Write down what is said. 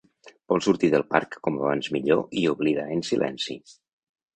Vol sortir del parc com abans millor i oblidar en silenci.